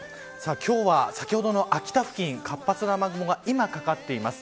今日は、先ほどの秋田付近活発な雨雲が今かかっています。